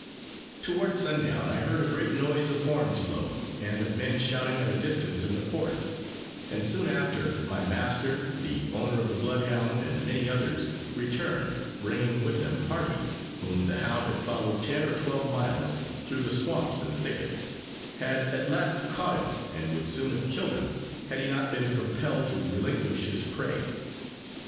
Toward sundown, I heard a great noise of horns blown, and of men shouting at a distance in the forest; and soon after, my master, the owner of the blood hound, and many others returned, bringing with them Hardy, whom the hound had followed ten or twelve miles through the swamps and thickets; had at last caught him, and would soon have killed him, had he not been compelled to relinquish his prey.